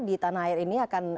di tanah air ini akan